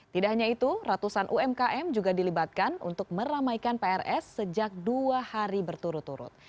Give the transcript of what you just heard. tidak hanya itu ratusan umkm juga dilibatkan untuk meramaikan prs sejak dua hari berturut turut